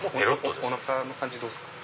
おなかの感じどうっすか？